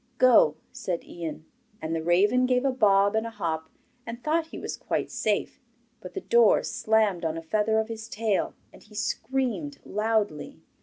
'Go,' said Ian. And the raven gave a bob and a hop, and thought he was quite safe, but the door slammed on a feather of his tail, and he screamed loudly.